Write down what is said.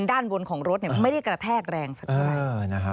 ด้านบนของรถไม่ได้กระแทกแรงสักเท่าไหร่